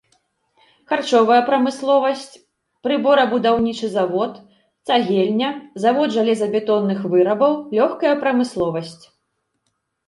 Харчовая прамысловасць, прыборабудаўнічы завод, цагельня, завод жалезабетонных вырабаў, лёгкая прамысловасць.